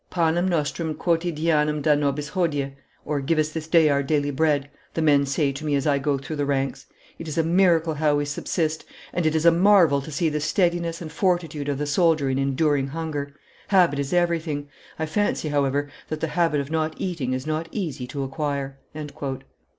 'Panem nostrum quotidianum da nobis hodie' (give us this day our daily bread), the men say to me as I go through the ranks; it is a miracle how we subsist, and it is a marvel to see the steadiness and fortitude of the soldier in enduring hunger; habit is everything; I fancy, however, that the habit of not eating is not easy to acquire."